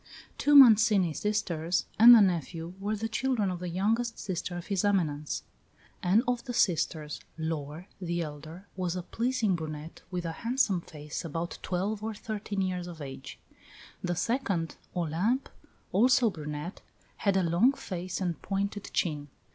Two Mancini sisters and the nephew were the children of the youngest sister of his Eminence; and of the sisters Laure, the elder, was a pleasing brunette with a handsome face, about twelve or thirteen years of age; the second (Olympe), also a brunette, had a long face and pointed chin.